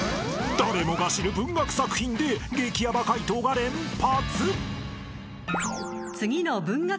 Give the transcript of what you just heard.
［誰もが知る文学作品で激ヤバ解答が連発！］